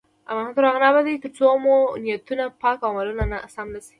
افغانستان تر هغو نه ابادیږي، ترڅو مو نیتونه پاک او عملونه سم نشي.